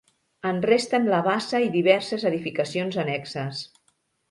En resten la bassa i diverses edificacions annexes.